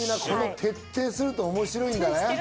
徹底すると面白いんだね。